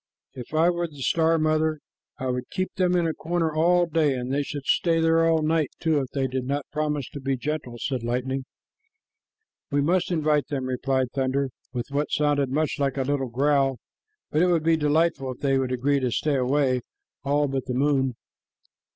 If I were the star mother, I would keep them in a corner all day, and they should stay there all night, too, if they did not promise to be gentle," said Lightning. "We must invite them," replied Thunder, with what sounded much like a little growl, "but it would be delightful if they would agree to stay away, all but the moon."